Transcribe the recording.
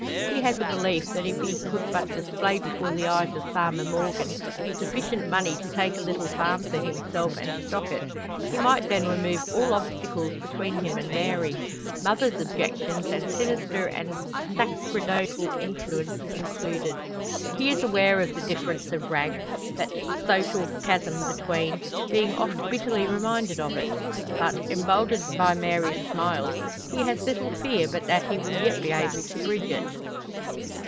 He has a belief that if he could but display before the eyes of Farmer Morgan sufficient money to take a little farm for himself and stock it, he might then remove all obstacles between him and Mary mother's objections and sinister and sacerdotal influence included. He is aware of the difference of rank that social chasm between being oft bitterly reminded of it; but, emboldened by Mary's smiles, he has little fear but that he will yet be able to bridge it.